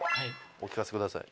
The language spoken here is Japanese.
お聞かせください。